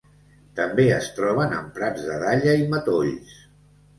També es troben en prats de dalla i matolls.